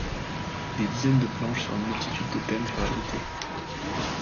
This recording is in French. Des dizaines de planches sur une multitude de thèmes furent éditées.